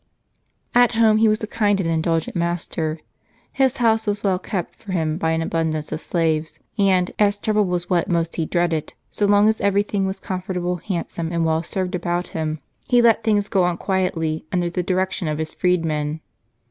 At home he was a kind and indulgent master. His house w^as well kept for him by an abundance of slaves; and, as trouble was what most he dreaded, so long as every thing was comfortable, handsome, and well served about him, he let things go on quietly, under the direction of his freedmen.